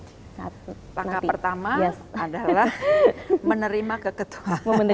langkah pertama adalah menerima keketua